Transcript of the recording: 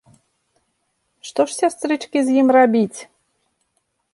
Што ж, сястрычкі, з ім рабіць?